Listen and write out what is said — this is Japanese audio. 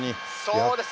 そうです。